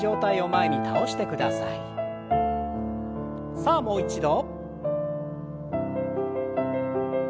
さあもう一度。